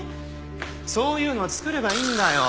そういうのは作ればいいんだよ。